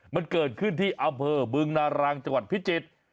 มันเกิดขึ้นที่อำเภอบึงนารังจังหวัดพิจิตร